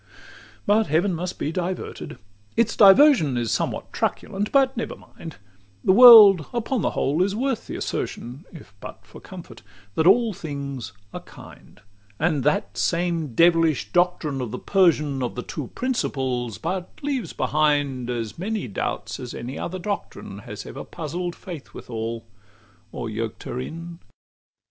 XLI But heaven must be diverted; its diversion Is sometimes truculent but never mind: The world upon the whole is worth the assertion (If but for comfort) that all things are kind: And that same devilish doctrine of the Persian, Of the two principles, but leaves behind As many doubts as any other doctrine Has ever puzzled Faith withal, or yoked her in.